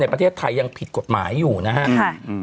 ในประเทศไทยยังผิดกฎหมายอยู่นะฮะอืมค่ะอืม